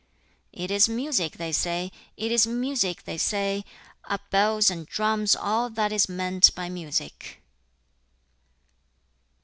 "It is music," they say. "It is music," they say. Are bells and drums all that is meant by music?'